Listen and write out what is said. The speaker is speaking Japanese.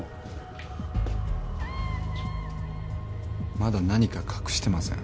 まだ何か隠してません？